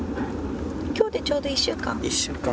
今日でちょうど１週間。